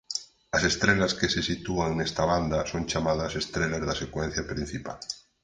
As estrelas que se sitúan nesta banda son chamadas estrelas da secuencia principal.